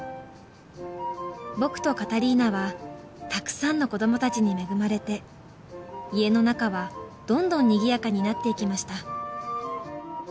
「僕とカタリーナはたくさんの子供たちに恵まれて家の中はどんどんにぎやかになっていきました」